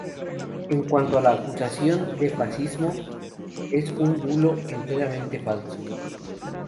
En cuanto a la acusación de fascismo, es un bulo enteramente falso.